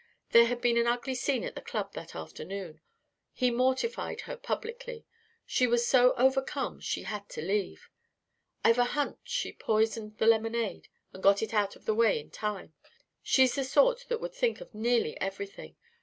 There had been an ugly scene at the club that afternoon. He mortified her publicly. She was so overcome she had to leave. I've a hunch she poisoned that lemonade and got it out of the way in time. She's the sort that would think of nearly everything.